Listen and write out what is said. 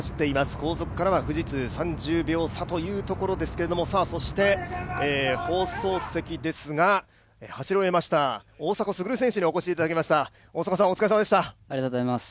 後続からは富士通、３０秒差というところですけれども放送席ですが、走り終えました大迫傑選手にお越しいただきました。